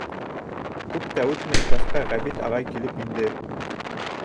Күп тә үтмәй класҡа Ғәбит ағай килеп инде.